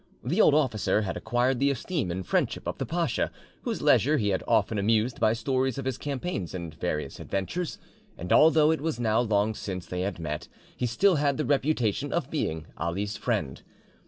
The old officer had acquired the esteem and friendship of the pacha, whose leisure he had often amused by stories of his campaigns and various adventures, and although it was now long since they had met, he still had the reputation of being Ali's friend.